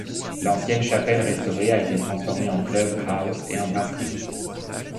L'ancienne chapelle restaurée a été transformée en club house et en brasserie.